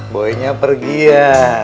boynya pergi ya